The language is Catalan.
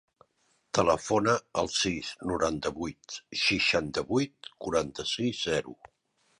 Telefona al sis, noranta-vuit, seixanta-vuit, quaranta-sis, zero.